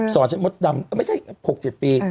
ฉันมดดำไม่ใช่๖๗ปี